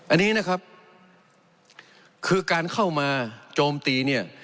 อันนี้นะครับคือการเข้ามาโจมตีเนี่ย